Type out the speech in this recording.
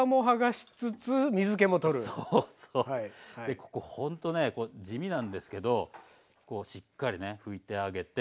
ここほんとね地味なんですけどこうしっかり拭いてあげて。